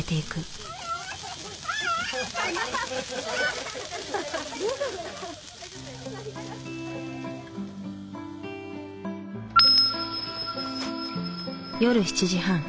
ア！夜７時半。